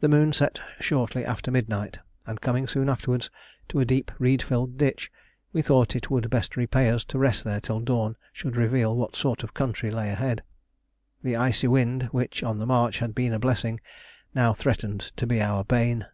The moon set shortly after midnight, and coming soon afterwards to a deep reed filled ditch, we thought it would best repay us to rest there till dawn should reveal what sort of country lay ahead. The icy wind which on the march had been a blessing, now threatened to be our bane.